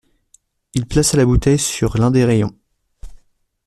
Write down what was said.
Il plaça la bouteille sur l’un des rayons.